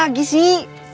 apa lagi sih